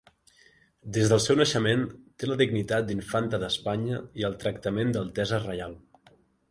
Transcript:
Des del seu naixement té la dignitat d'infanta d'Espanya i el tractament d'Altesa Reial.